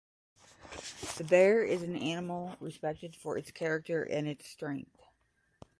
The bear is an animal respected for its character and its strength.